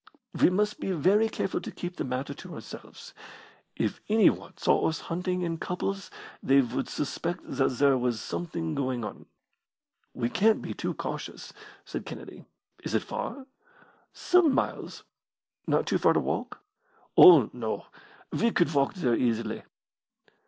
We must be very careful to keep the matter to ourselves. If anyone saw us hunting in couples they would suspect that there was something going on." "We can't be too cautious," said Kennedy. "Is it far?" "Some miles." "Not too far to walk?" "Oh, no, we could walk there easily."